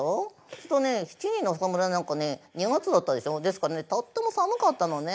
するとね「七人の侍」なんかね２月だったでしょ。ですからねとっても寒かったのね。